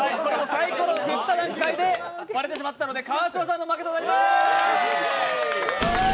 サイコロを振った段階で割れてしまったので川島さんの負けとなります！